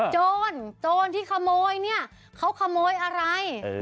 โจรโจรที่ขโมยเนี่ยเขาขโมยอะไร